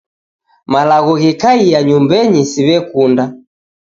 Malagho ghekaia nyumbenyi siw'ekunda.